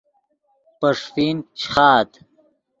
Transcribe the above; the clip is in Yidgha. پے ݰیفین شیخآت